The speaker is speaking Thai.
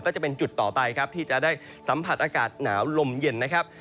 ก็จะเป็นจุดต่อไปครับที่จะได้สัมผัสอากาศหนาวลมเย็นนะครับ